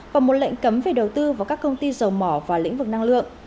và một lệnh cấm về đầu tư vào các công ty dầu mỏ và lĩnh vực năng lượng